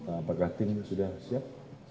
apakah tim sudah siap